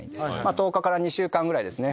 １０日から２週間ぐらいですね